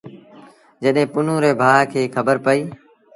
جڏهيݩ پنهون ري ڀآن کي پئيٚ۔